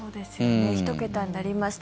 １桁になりました。